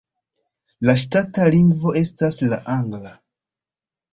La ŝtata lingvo estas la angla.